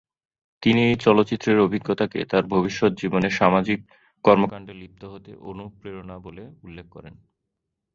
তিনি এই চলচ্চিত্রের অভিজ্ঞতাকে তার ভবিষ্যৎ জীবনে সামাজিক কর্মকাণ্ডে লিপ্ত হতে অনুপ্রেরণা বলে উল্লেখ করেন।